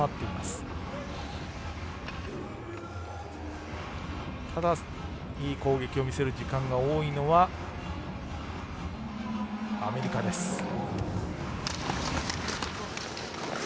いい攻撃を見せる時間が多いのはアメリカです。